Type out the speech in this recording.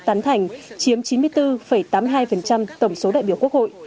tán thành chiếm chín mươi bốn tám mươi hai tổng số đại biểu quốc hội